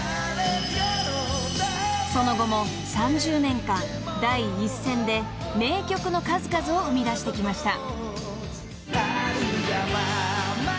［その後も３０年間第一線で名曲の数々を生みだしてきました］